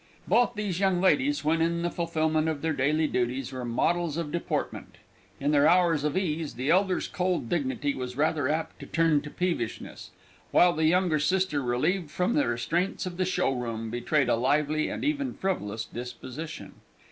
Both these young ladies, when in the fulfilment of their daily duties, were models of deportment; in their hours of ease, the elder's cold dignity was rather apt to turn to peevishness, while the younger sister, relieved from the restraints of the showroom, betrayed a lively and even frivolous disposition.